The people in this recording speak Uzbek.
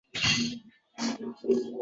hatto men bundan hayratdaman.